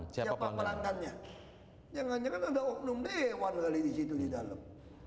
siapa pelanggannya jangan jangan ada oknum dewan kali di situ di dalam